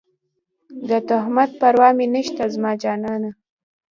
د تهمت پروا مې نشته زما جانانه